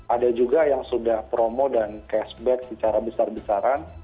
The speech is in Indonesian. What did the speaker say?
ada juga yang sudah promo dan cashback secara besar besaran